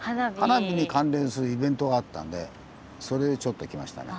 花火に関連するイベントがあったんでそれでちょっと来ましたね。